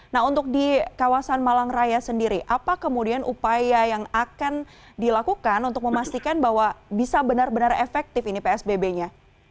nah untuk di kawasan malang raya sendiri apa kemudian upaya yang akan dilakukan untuk memastikan bahwa bisa benar benar efektif ini psbb nya